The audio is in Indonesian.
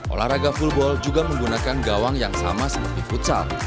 olahraga fullball juga menggunakan gawang yang sama seperti futsal